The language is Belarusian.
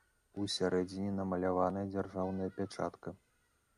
У сярэдзіне намаляваная дзяржаўная пячатка.